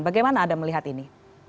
bagaimana anda melihat ini